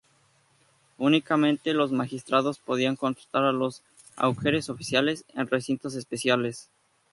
Únicamente los magistrados podían consultar a los augures oficiales, en recintos especiales.